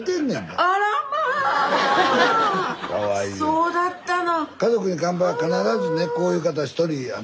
そうだったの！